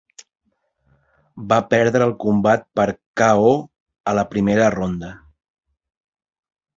Va perdre el combat per KO a la primera ronda.